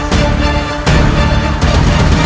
tidak ada apa apa